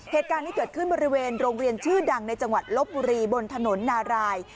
เหตุการณ์นี้เกิดขึ้นบริเวณโรงเรียนชื่อดังในจังหวัดลบบุรีบนถนนนาราย